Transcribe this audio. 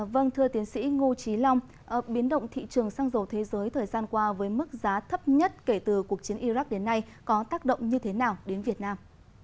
vâng thưa tiến sĩ ngô trí long biến động thị trường xăng dầu thế giới thời gian qua với mức giá thấp nhất kể từ cuộc chiến iraq đến nay có tác động như thế nào đến việt nam